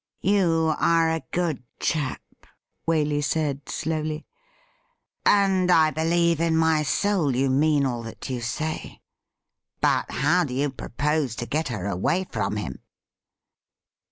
'You are a good chap,' Waley said slowly, 'and I believe in my soul you mean all that you say. But how do you propose to get her away from him